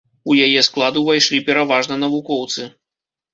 У яе склад увайшлі пераважна навукоўцы.